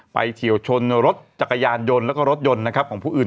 เฉียวชนรถจักรยานยนต์แล้วก็รถยนต์นะครับของผู้อื่น